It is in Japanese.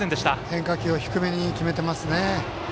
変化球を低めに決めていますね。